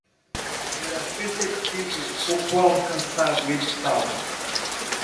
Era perceptível o quão cansado ele estava.